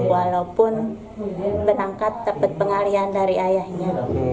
walaupun berangkat dapat pengalian dari ayahnya